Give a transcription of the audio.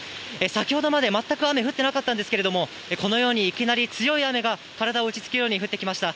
先ほどまで全く雨降ってなかったんですけれども、このようにいきなり強い雨が体を打ちつけるように降ってきました。